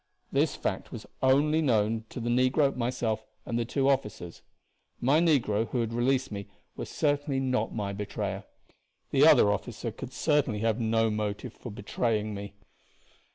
This fact was only known to the negro, myself, and the two officers. My negro, who had released me, was certainly not my betrayer; the other officer could certainly have had no possible motive for betraying me.